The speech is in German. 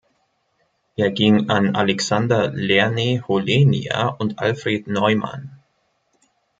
Er ging an Alexander Lernet-Holenia und Alfred Neumann.